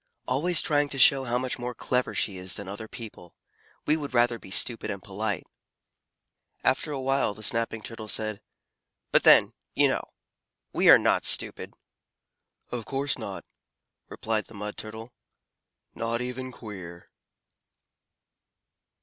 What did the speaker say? "Always trying to show how much more clever she is than other people. We would rather be stupid and polite." After a while the Snapping Turtle said, "But then, you know, we are not stupid." "Of course not," replied the Mud Turtle, "not even queer."